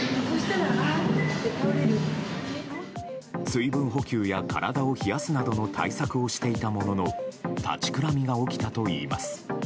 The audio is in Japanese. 水分補給や、体を冷やすなどの対策をしていたものの立ちくらみが起きたといいます。